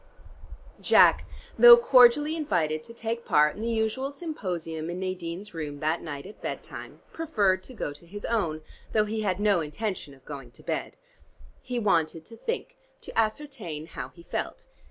Jack, though cordially invited to take part in the usual Symposium in Nadine's room that night at bed time, preferred to go to his own, though he had no intention of going to bed. He wanted to think, to ascertain how he felt.